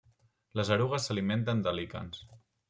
Les erugues s'alimenten de líquens.